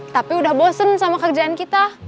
tapi udah bosen sama kerjaan kita